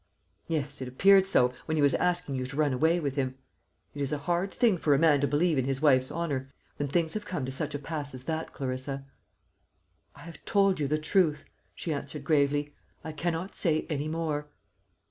"Yes, it appeared so, when he was asking you to run away with him. It is a hard thing for a man to believe in his wife's honour, when things have come to such a pass as that, Clarissa." "I have told you the truth," she answered gravely; "I cannot say any more."